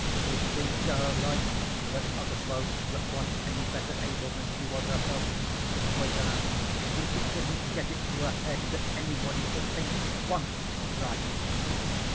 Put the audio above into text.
It seemed to her right that other folks that wa'n't any better able than she was herself should wait on her, and she couldn't get it through her head that anybody should think it WA'N'T right.